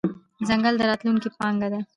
ځنګل د راتلونکې پانګه ده.